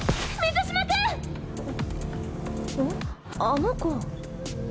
あの子。